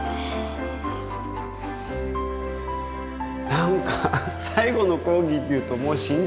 なんか「最後の講義」というともう死んじゃうみたい。